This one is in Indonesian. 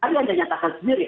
ada yang menyatakan sendiri